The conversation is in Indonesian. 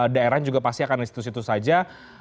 daerah juga pasti akan di situ situ saja